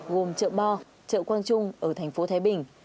gồm chợ bo chợ quang trung ở thành phố thái bình